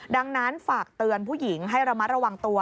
ดังนั้นฝากเตือนผู้หญิงให้ระมัดระวังตัว